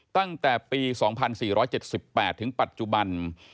ตั้งแต่ปี๒๔๗๘ถึงปัจจุบัน